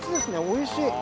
おいしい！